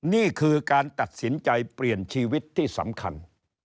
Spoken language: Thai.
นี่คือการตัดสินใจเปลี่ยนชีวิตที่สำคัญ